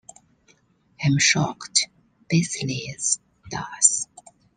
I'm shocked Baselitz does.